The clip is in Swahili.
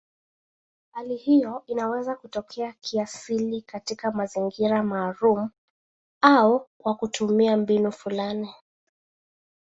Hali hiyo inaweza kutokea kiasili katika mazingira maalumu au kwa kutumia mbinu fulani.